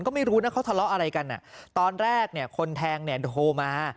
ก็ไม่รู้นะเขาทะเลาะอะไรกันอ่ะตอนแรกเนี่ยคนแทงเนี่ยโทรมา